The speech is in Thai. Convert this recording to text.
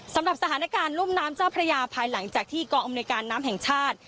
สำหรับสถานการณ์รุ่มน้ำเจ้าพระยาภายหลังจากที่กองอำนวยการน้ำแห่งชาติ